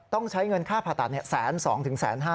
ต้องใช้เงินค่าผ่าตัดเนี่ยแสนสองถึงแสนห้า